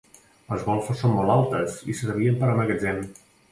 Les golfes són molt altes i servien per a magatzem.